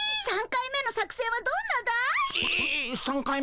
３回目の作戦はどんなだい？